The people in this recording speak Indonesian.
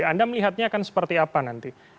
anda melihatnya akan seperti apa nanti